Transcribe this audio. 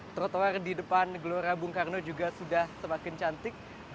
trotoar di depan gelora bung karno juga sudah semakin cantik